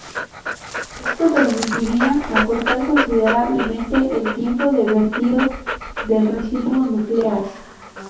Esto permitiría acortar considerablemente el tiempo de vertido del residuo nuclear.